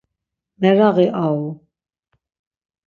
Meraği au.